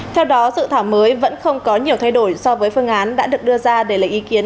theo đó dự thảo mới vẫn không có nhiều thay đổi so với phương án đã được đưa ra để lấy ý kiến